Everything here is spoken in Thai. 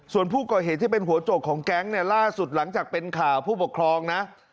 ส่วนผู้ก่อเหตุที่เป็นหัวโจกของแก๊งเนี่ยล่าสุดหลังจากเป็นข่าวผู้ปกครองนะ